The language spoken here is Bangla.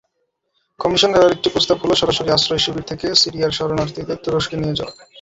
কমিশনের আরেকটি প্রস্তাব হলো সরাসরি আশ্রয়শিবির থেকে সিরিয়ার শরণার্থীদের তুরস্কে নিয়ে যাওয়া।